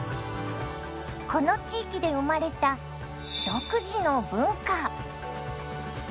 この地域で生まれた独自の文化。